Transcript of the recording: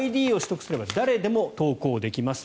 ＩＤを取得すれば誰でも投稿できます。